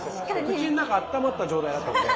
口の中あったまった状態だったので。